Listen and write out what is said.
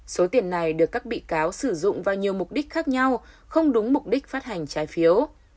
số tiền này được các bị cáo sử dụng vào nhiều mục đích khác nhau không đúng mục đích phát hành trái phiếu